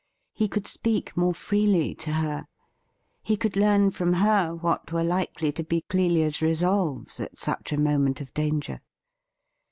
He could speak more freely to her ; he could learn from her what were likely to be Clelia's resolves at such a moment of danger.